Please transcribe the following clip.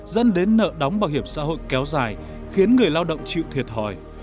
dẫn đến nợ đóng bảo hiểm xã hội kéo dài khiến người lao động chịu thiệt hỏi